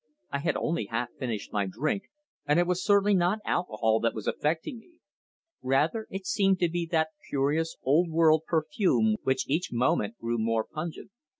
I had only half finished my drink, and it was certainly not alcohol that was affecting me. Rather it seemed to be that curious old world perfume which each moment grew more pungent.